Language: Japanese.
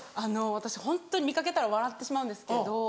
私ホントに見掛けたら笑ってしまうんですけど。